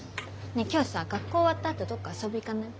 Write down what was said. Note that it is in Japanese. ねえ今日さ学校終わったあとどっか遊び行かない？